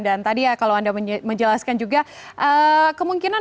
dan tadi kalau anda menjelaskan juga